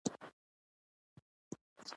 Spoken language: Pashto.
پردیو مورخینو د افغانانو یادونه کړې ده.